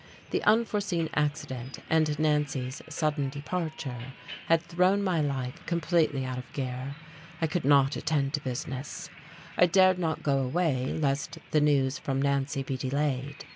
The unforeseen accident and Nancy's sudden departure had thrown my life completely out of gear: I could not attend to business, I dared not go away lest the news from Nancy be delayed.